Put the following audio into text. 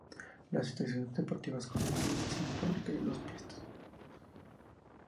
Las instalaciones deportivas constan de una piscina pública y dos pistas.